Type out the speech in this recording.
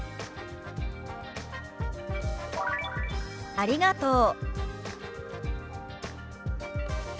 「ありがとう」。